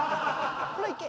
ほら行け。